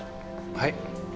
はい？